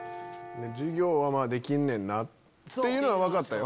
授業はできんねんなっていうのは分かったよ。